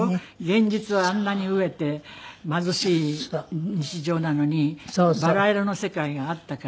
現実はあんなに飢えて貧しい日常なのにバラ色の世界があったから。